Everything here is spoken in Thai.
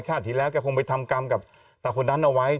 ที่แล้วแกคงไปทำกรรมกับตาคนนั้นเอาไว้